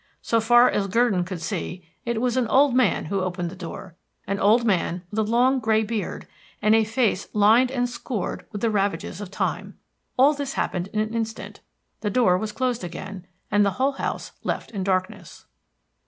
So far as Gurdon could see, it was an old man who opened the door; an old man with a long, grey beard, and a face lined and scored with the ravages of time. All this happened in an instant. The door was closed again, and the whole house left in darkness.